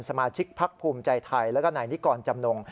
สมาชิกพักภูมิใจไทยแล้วก็นายนิกรจำนง